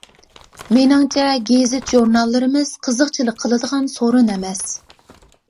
مېنىڭچە، گېزىت-ژۇرناللىرىمىز قىزىقچىلىق قىلىدىغان سورۇن ئەمەس.